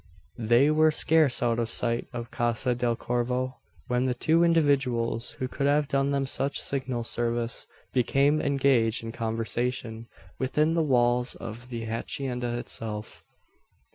They were scarce out of sight of Casa del Corvo, when the two individuals, who could have done them such signal service, became engaged in conversation within the walls of the hacienda itself.